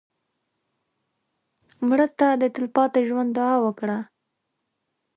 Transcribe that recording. مړه ته د تلپاتې ژوند دعا وکړه